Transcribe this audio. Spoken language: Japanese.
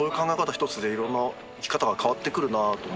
ひとつでいろんな生き方が変わってくるなと思って。